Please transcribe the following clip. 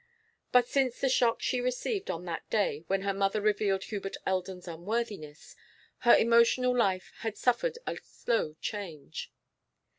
But since the shock she received on that day when her mother revealed Hubert Eldon's unworthiness, her emotional life had suffered a slow change.